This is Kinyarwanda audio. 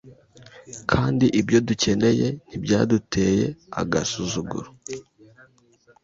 Kandi ibyo dukeneye ntibyaduteye agasuzuguro